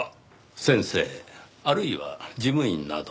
先生あるいは事務員など。